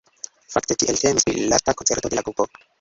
Fakte tiel temis pri lasta koncerto de la grupo.